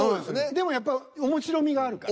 でもやっぱ面白みがあるから。